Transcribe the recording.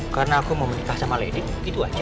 karena aku mau menikah sama lady gitu aja